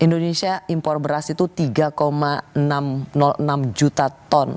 indonesia impor beras itu tiga enam ratus enam juta ton